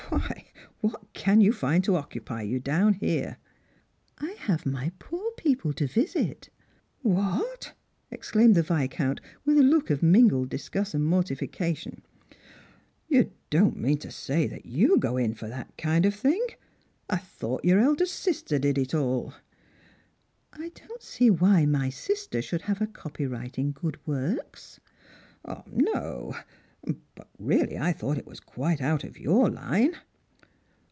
Why, what can you find to occupy you down here?" " I have my poor people to visit." " "What !" exclaimed the Viscount, with a look of mingled disgust and mortilication, " You don't mean to say that you go in for that kind of thing? I thought your eldest sister did it all." " I don't see why my sister should have a copyright in good works." " No ; hut, really, I thought it was quite out of your line."